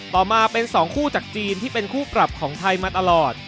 ต่อมาเป็น๒คู่จากจีนที่เป็นคู่ปรับของไทยมาตลอด